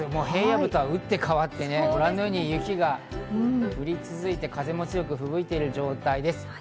平野部とはうって変わってご覧のように雪が降り続いて風も強く吹雪いている状態です。